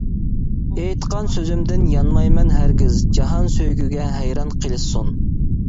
ئېيتقان سۆزۈمدىن يانمايمەن ھەرگىز جاھان سۆيگۈگە ھەيران قېلىشسۇن.